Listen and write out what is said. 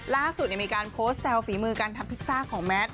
ล่าสุดมีการโพสต์แซวฝีมือการทำพิซซ่าของแมท